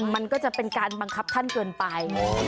มันก็จะเป็นการบังคับท่านเกินไป